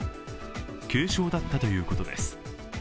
軽傷だったということです。